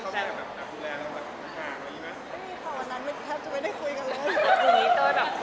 แล้วก็น่ารักไหมคะแฟนผมน่ารัก